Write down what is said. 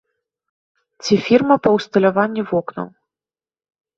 Ці фірма па ўсталяванні вокнаў.